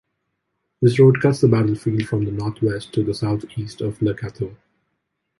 This road cuts the battlefield from the northwest to the southeast of Le Cateau.